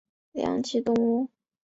长脚赤蛙为蛙科蛙属的两栖动物。